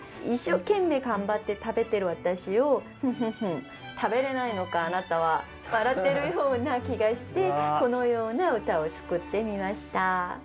一生懸命頑張って食べてる私を「フフフ食べれないのかあなたは」笑ってるような気がしてこのような歌を作ってみました。